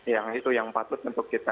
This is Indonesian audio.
yang itu yang patut untuk kita